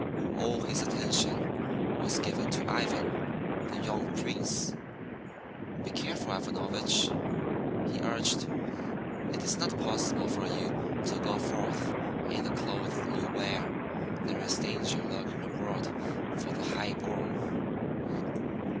All his attention was given to Ivan, the young Prince. "Be careful, Ivanovich," he urged. "It is not possible for you to go forth in the clothes you wear. There is danger lurking abroad for the high born."